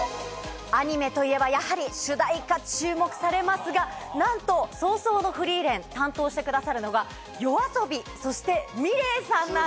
アニメといえばやはり主題歌注目されますがなんと『葬送のフリーレン』担当してくださるのがＹＯＡＳＯＢＩそしてｍｉｌｅｔさんなんです！